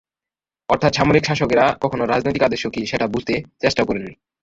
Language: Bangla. অর্থাৎ সামরিক শাসকেরা কখনো রাজনৈতিক আদর্শ কী, সেটা বুঝতে চেষ্টাও করেননি।